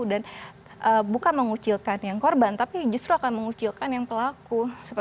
dan bukan mengucilkan yang korban tapi justru akan mengucilkan yang pelaku